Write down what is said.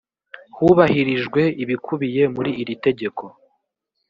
hubahirijwe ibikubiye muri iri tegeko